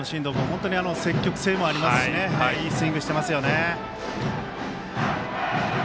本当に積極性もありますしいいスイングしてますよね。